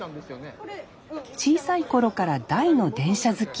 小さい頃から大の電車好き。